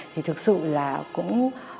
thì thực sự là cũng